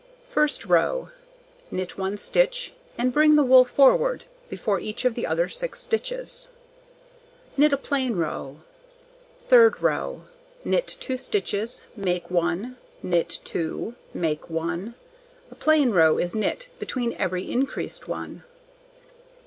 First row: Knit 1 stitch, and bring the wool forward before each of the other 6 stitches. Knit a plain row. Third row: Knit 2 stitches, make 1, knit 2, make 1. A plain row is knit between every increased one.